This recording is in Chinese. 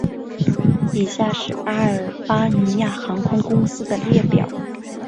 以下是阿尔巴尼亚航空公司的列表